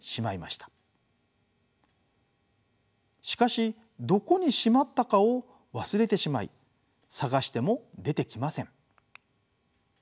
しかしどこにしまったかを忘れてしまい探しても出てきません。